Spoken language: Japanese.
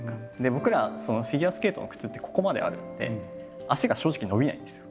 僕らフィギュアスケートの靴ってここまであるんで足が正直伸びないんですよ。